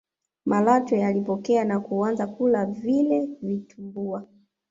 malatwe alipokea na kuanza kula vile vitumbua